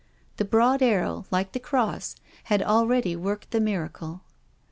The broad arrow, like the cross, had already worked the miracle.